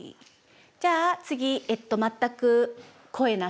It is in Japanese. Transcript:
じゃあ次全く声なしで。